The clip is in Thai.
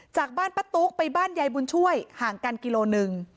จากบ้านป้าตุ๊กไปบ้านยายบุญช่วยห่างกันกิโลหนึ่ง